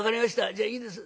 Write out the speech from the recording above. じゃあいいです。